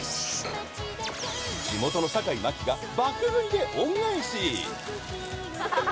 地元の坂井真紀が爆食いで恩返し！